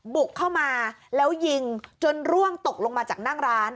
บุกเข้ามาแล้วยิงจนร่วงตกลงมาจากนั่งร้าน